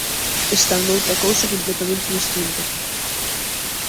Están noutra cousa completamente distinta.